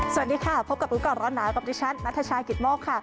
สวัสดีค่ะพบกับรู้ก่อนร้อนหนาวกับดิฉันนัทชายกิตโมกค่ะ